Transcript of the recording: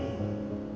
dalam kesempatan ini